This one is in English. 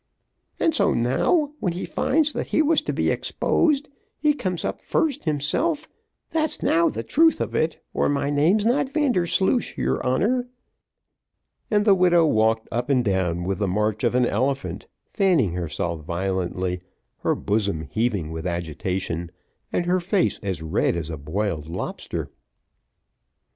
"And so, now, when he finds that he was to be exposed, he comes up first himself; that's now the truth of it, or my name's not Vandersloosh, your honour," and the widow walked up and down with the march of an elephant, fanning herself violently, her bosom heaving with agitation, and her face as red as a boiled lobster.